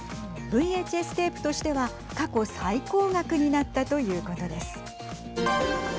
ＶＨＳテープとしては過去最高額になったということです。